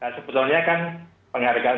sebetulnya kan penghargaan